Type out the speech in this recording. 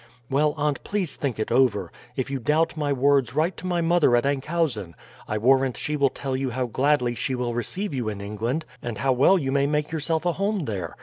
Well, aunt, please think it over. If you doubt my words write to my mother at Enkhuizen. I warrant she will tell you how gladly she will receive you in England, and how well you may make yourself a home there.